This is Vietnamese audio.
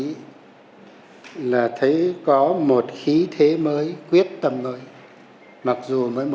thì là thấy có một khí thế mới quyết tâm mới